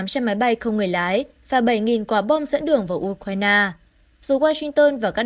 tám trăm linh máy bay không người lái và bảy quả bom dẫn đường vào ukraine dù washington và các